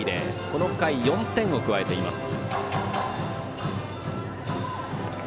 この回、４点を加えています。